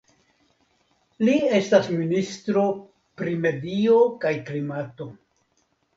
Li estas ministro pri medio kaj klimato.